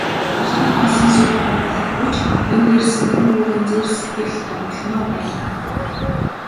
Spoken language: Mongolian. Хий хоосон сүр бадруулаагүй ч энд ирсэн хүн бүрийн зүрх сэтгэл догдолмоор байлаа.